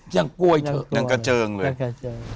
โกยเถอะยังกระเจิงเลยยังกระเจิง